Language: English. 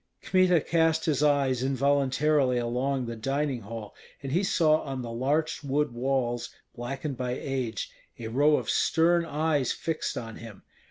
Kmita cast his eyes involuntarily along the dining hall, and he saw on the larch wood walls, blackened by age, a row of stern eyes fixed on him.